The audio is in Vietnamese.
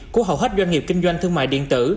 của hầu hết doanh nghiệp kinh doanh thương mại điện tử